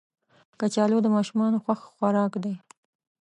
کچالو د ماشومانو خوښ خوراک دی